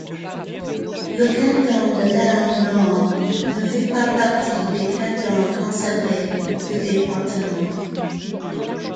Le canton de Laon-Nord ne fait pas partie des cantons conservés du département.